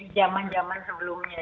dari zaman zaman sebelumnya